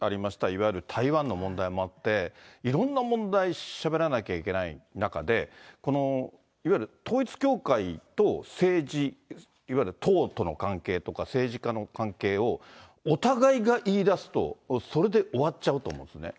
いわゆる台湾の問題もあって、いろんな問題しゃべらなきゃいけない中で、このいわゆる統一教会と政治、いわゆる党との関係とか、政治家の関係をお互いが言い出すと、それで終わっちゃうと思うんですね。